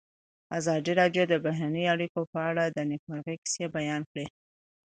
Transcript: ازادي راډیو د بهرنۍ اړیکې په اړه د نېکمرغۍ کیسې بیان کړې.